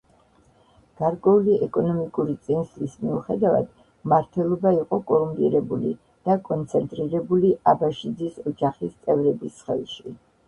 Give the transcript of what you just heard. გარკვეული ეკონომიკური წინსვლის მიუხედავად მმართველობა იყო კორუმპირებული და კონცენტრირებული აბაშიძის ოჯახის წევრების ხელში.